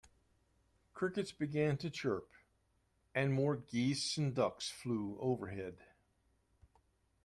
Crickets began to chirp, and more geese and ducks flew overhead.